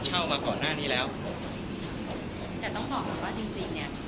มาก่อนหน้านี้แล้วแต่ต้องบอกก่อนว่าจริงจริงเนี้ย